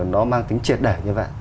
nó mang tính triệt để như vậy